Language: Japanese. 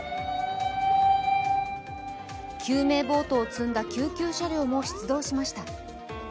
救命ボートを積んだ救急車両も出動しました。